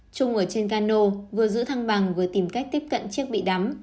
trung ở trên cano vừa giữ thăng bằng vừa tìm cách tiếp cận chiếc bị đắm